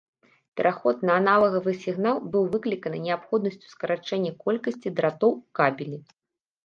Пераход на аналагавы сігнал быў выкліканы неабходнасцю скарачэння колькасці дратоў у кабелі.